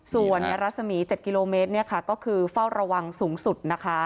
ส่วนในรัศมี๗กิโลเมตรก็คือเฝ้าระวังสูงสุดนะคะ